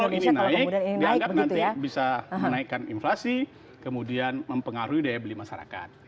jadi kalau ini naik dianggap nanti bisa menaikkan inflasi kemudian mempengaruhi daya beli masyarakat